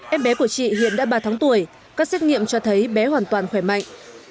em bé của chị hiện đã ba tháng tuổi các xét nghiệm cho thấy bé hoàn toàn khỏe mạnh